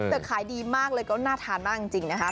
แต่ขายดีมากเลยก็น่าทานมากจริงนะคะ